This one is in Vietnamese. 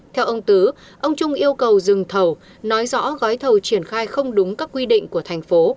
theo ông tứ ông trung yêu cầu dừng thầu nói rõ gói thầu triển khai không đúng các quy định của thành phố